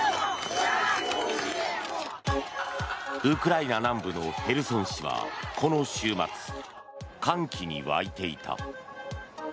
ウクライナ南部のヘルソン市はこの週末歓喜に沸いていた。